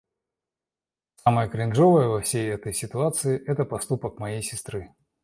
Самое кринжовое во всей этой ситуации, это поступок моей сестры.